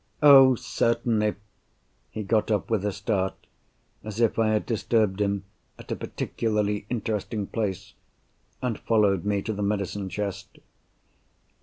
"Oh, certainly!" He got up with a start—as if I had disturbed him at a particularly interesting place—and followed me to the medicine chest.